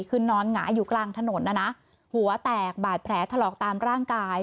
คือนอนหงายอยู่กลางถนนนะนะหัวแตกบาดแผลถลอกตามร่างกาย